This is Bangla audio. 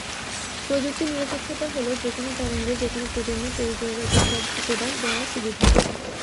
প্রযুক্তি নিরপেক্ষতা হলো যেকোনো তরঙ্গে যেকোনো প্রজন্মের টেলিযোগাযোগ সেবা দেওয়ার সুবিধা।